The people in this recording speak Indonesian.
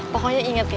pokoknya inget ya